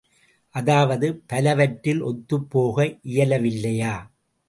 அதாவது பலவற்றில் ஒத்துப் போக இயலவில்லையா?